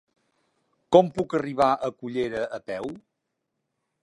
Com puc arribar a Cullera a peu?